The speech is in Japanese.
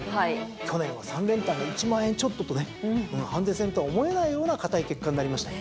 去年は３連単が１万円ちょっととねハンデ戦とは思えないような堅い結果になりました。